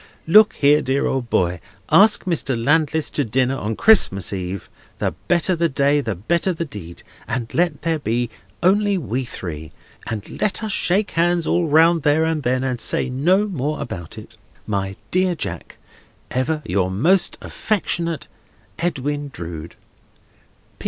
"Look here, dear old boy. Ask Mr. Landless to dinner on Christmas Eve (the better the day the better the deed), and let there be only we three, and let us shake hands all round there and then, and say no more about it. "My dear Jack, "Ever your most affectionate, "EDWIN DROOD.